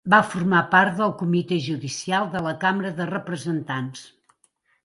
Va formar part del Comitè Judicial de la Càmera de Representants.